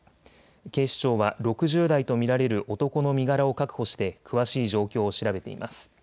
警視庁は６０代と見られる男の身柄を確保して詳しい状況を調べています。